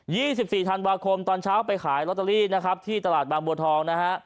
สิบสี่ธันวาคมตอนเช้าไปขายลอตเตอรี่นะครับที่ตลาดบางบัวทองนะฮะ